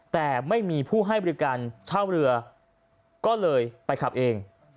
แต่ไม่มีผู้ให้บริการเช่าเรือก็เลยไปขับเอง